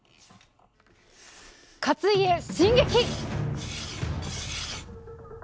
勝家進撃！